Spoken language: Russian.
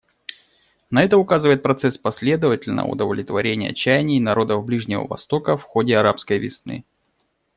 На это указывает процесс последовательного удовлетворения чаяний народов Ближнего Востока в ходе «арабской весны».